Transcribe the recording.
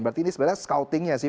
berarti ini sebenarnya scoutingnya sih